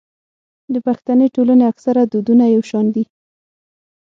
د پښتني ټولنو اکثره دودونه يو شان دي.